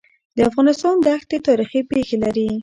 د افغانستان دښتي تاریخي پېښې لري.